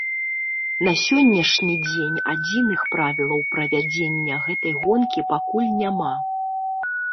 На сённяшні дзень адзіных правілаў правядзення гэтай гонкі пакуль няма.